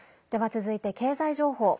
では、続いて経済情報。